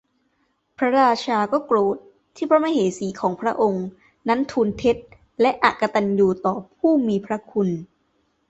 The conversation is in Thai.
พระราชาก็โกรธที่พระมเหสีของพระองค์นั้นทูลเท็จและอกตัญญูต่อผู้มีพระคุณ